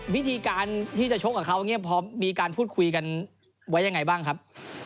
วิธีการที่จะชกกับเขาเนี่ยพอมีการพูดคุยกันไว้ยังไงบ้างครับ